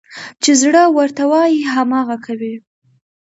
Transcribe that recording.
چې زړه ورته وايي، هماغه کوي.